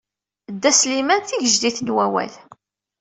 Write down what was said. Dda Sliman: tigejdit n wawal.